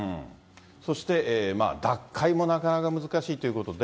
そして脱会もなかなか難しいということで。